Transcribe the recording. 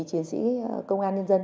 chiến sĩ công an nhân dân